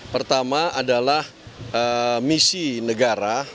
pertama adalah misi negara